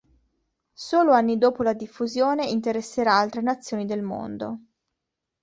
Solo anni dopo la diffusione interesserà altre nazioni del mondo.